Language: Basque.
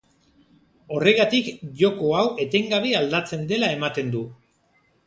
Horregatik, joko hau etengabe aldatzen dela ematen du.